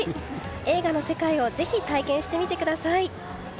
映画の世界をぜひ体験してみてください。